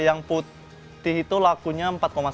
yang putih itu lakunya empat